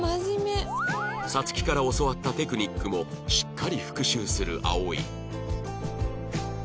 皐月から教わったテクニックもしっかり復習する葵